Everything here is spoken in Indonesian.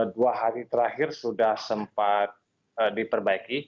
dua hari terakhir sudah sempat diperbaiki